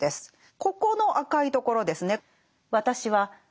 ここの赤いところですね。